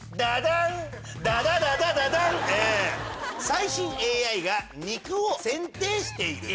「最新ＡＩが肉を選定している」